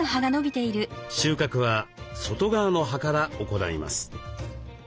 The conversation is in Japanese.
収穫は外側の葉から行います。